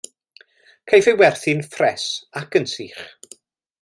Caiff ei werthu'n ffres ac yn sych.